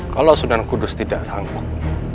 kalau sunan kudus tidak sanggup